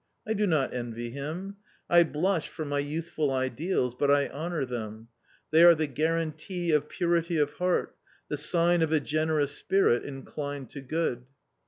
I do not envy him. I blush for my youthful ideals, but I honour: them ; they are the guarantee of purity of heart, the sign of a generous spirit inclined to good.